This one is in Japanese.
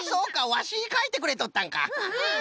ワシかいてくれとったんか。